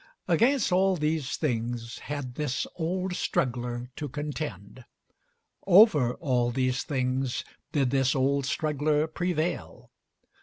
Against all these things had this "old struggler" to contend; over all these things did this "old struggler" prevail.